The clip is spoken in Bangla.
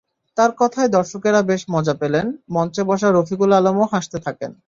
তাঁর কথায় দর্শকেরা বেশ মজা পেলেন, মঞ্চে বসা রফিকুল আলমও হাসতে থাকেন।